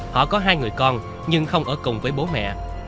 họ có hai người con nhưng không ở cùng với bố mẹ